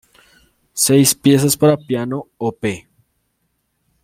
Seis piezas para piano, op.